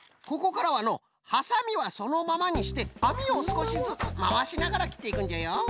ここからはのうはさみはそのままにしてかみをすこしずつまわしながらきっていくんじゃよ。